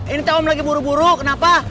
ini tahun lagi buru buru kenapa